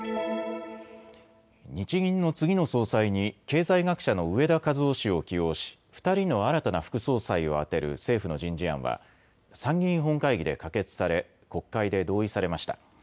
日銀の次の総裁に経済学者の植田和男氏を起用し２人の新たな副総裁を充てる政府の人事案は参議院本会議で可決され国会で同意されました。